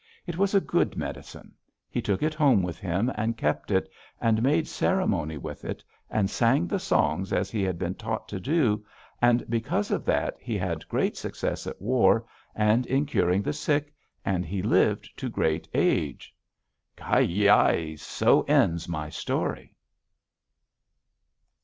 It was a good medicine. He took it home with him, and kept it, and made ceremony with it, and sang the songs as he had been taught to do, and because of that he had great success at war, and in curing the sick, and he lived to great age. "Kyi! So ends my story."